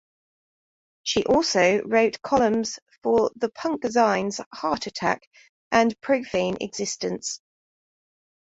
She also wrote columns for the punk zines Heartattack and Profane Existence.